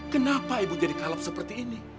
kenapa ibu jadi kalap seperti ini